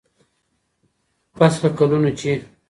پسله كلونو چي